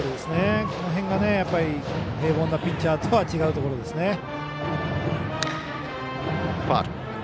この辺が平凡なピッチャーとは違うところですね。